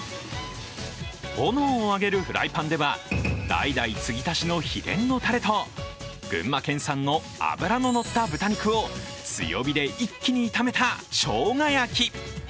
炎を上げるフライパンでは、代々継ぎ足しの秘伝のたれと群馬県産の脂の乗った豚肉を強火で一気に炒めた、生姜焼き。